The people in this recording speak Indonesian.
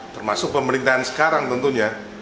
termasuk pemerintahan sekarang tentunya